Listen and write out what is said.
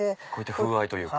風合いというか。